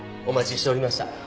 お待ちしておりました。